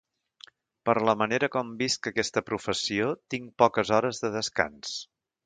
Per la manera com visc aquesta professió, tinc poques hores de descans.